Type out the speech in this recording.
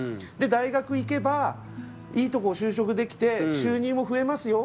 大学行けば、いいとこ就職できて収入も増えますよ